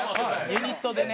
ユニットでね。